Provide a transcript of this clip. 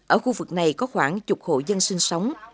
ở khu vực này có khoảng chục hộ dân sinh sống